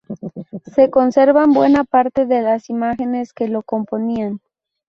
Se conservan buena parte de las imágenes que lo componían.